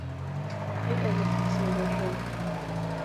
Иҟалахзеи уажәы?